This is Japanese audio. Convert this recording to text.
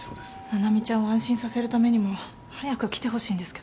七海ちゃんを安心させるためにも早く来てほしいんですけどね。